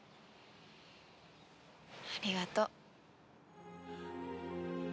ありがとう。